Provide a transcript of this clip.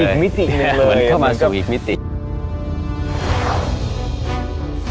อีกมิติหนึ่งเลยนะครับเหมือนเข้ามาสู่อีกมิติ